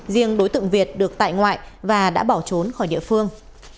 riêng đối tượng việt được tại ngoại và đã bỏ trốn khỏi địa phương